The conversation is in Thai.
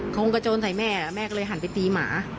คงกระโจนใส่แม่แม่ก็เลยหันไปตีหมา